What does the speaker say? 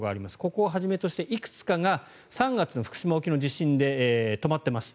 ここをはじめとしていくつかが３月の福島沖の地震で止まっています。